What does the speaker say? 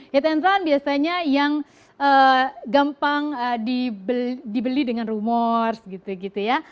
hit and run biasanya yang gampang dibeli dengan rumors gitu gitu ya